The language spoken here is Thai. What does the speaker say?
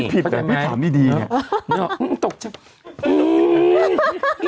พี่ผิดเลยพี่ถามนี้ดีไงถ้าจำไม่ได้อื้อตกใจ